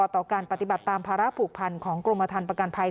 ต่อการปฏิบัติตามภาระผูกพันของกรมฐานประกันภัย